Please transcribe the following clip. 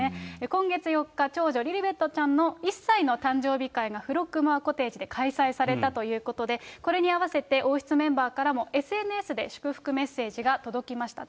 今月４日、長女、リリベットちゃんの１歳の誕生日会が、フロッグモアコテージで開催されたということで、これに合わせて王室メンバーからもＳＮＳで祝福メッセージが届きました。